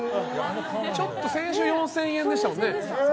先週４０００円でしたもんね。